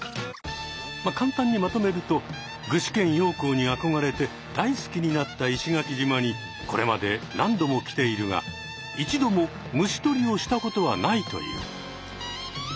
まあ簡単にまとめると具志堅用高にあこがれて大好きになった石垣島にこれまで何度も来ているが一度も虫とりをしたことはないという。